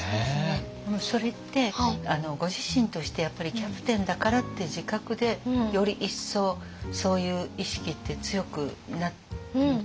それってご自身としてやっぱりキャプテンだからって自覚でより一層そういう意識って強くなりましたよねきっと。